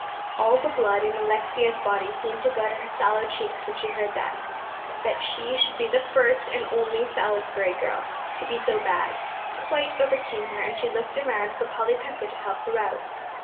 All the blood in Alexia's body seemed to go to her sallow cheeks when she heard that. That she should be the first and only Salisbury girl to be so bad, quite overcame her, and she looked around for Polly Pepper to help her out.